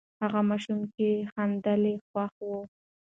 هغه ماشوم چې خندل، خوښ و.